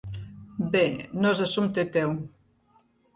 Bé, no és assumpte teu.